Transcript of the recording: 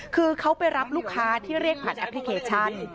คือเขาไปรับลูกค้าที่เรียกผ่านแอปพลิเคชัน